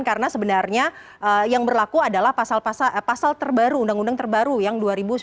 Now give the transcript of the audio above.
karena sebenarnya yang berlaku adalah pasal terbaru undang undang terbaru yang dua ribu sembilan belas